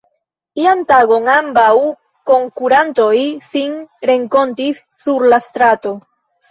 Ian tagon ambaŭ konkurantoj sin renkontis sur la strato.